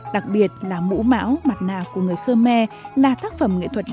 đặc biệt là mũ máu mặt nạ của người khơ me là tác phẩm nghệ thuật độc đại